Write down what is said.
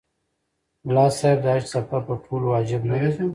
ملا صاحب د حج سفر په ټولو واجب نه دی.